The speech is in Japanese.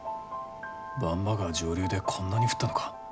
番場川上流でこんなに降ったのか？